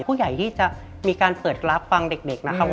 ผู้ใหญ่ที่จะมีการเปิดรับฟังเด็กนะครับ